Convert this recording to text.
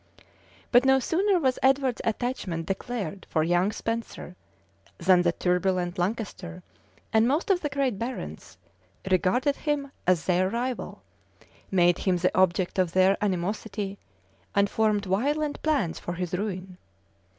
[] But no sooner was Edward's attachment declared for young Spenser, than the turbulent Lancaster, and most of the great barons, regarded him as their rival, made him the object of their animosity, and formed violent plans for his ruin.